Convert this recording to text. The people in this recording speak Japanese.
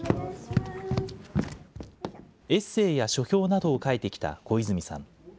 エッセーや書評などを書いてきた小泉さん。